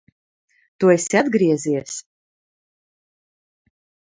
Tu esi atgriezies!